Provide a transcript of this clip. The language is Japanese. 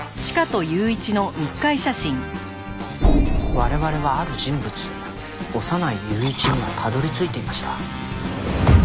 我々は「ある人物」小山内雄一にはたどり着いていました。